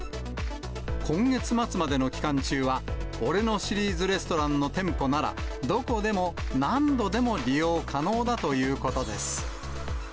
今月末までの期間中は、俺のシリーズレストランの店舗なら、どこでも何度でも利用可能だということです。